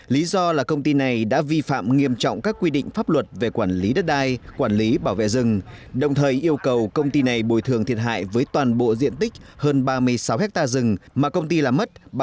lý do là công ty này đã vi phạm nghiêm trọng các quy định pháp luật về quản lý đất đai quản lý bảo vệ rừng đồng thời yêu cầu công ty này bồi thường thiệt hại với toàn bộ diện tích hơn ba mươi sáu ha rừng mà công ty làm mất